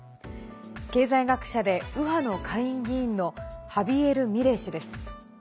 経済学者で右派の下院議員のハビエル・ミレイ氏です。